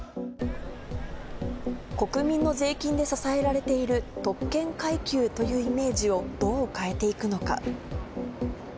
国民の税金で支えられている特権階級というイメージをどう変えていくのか。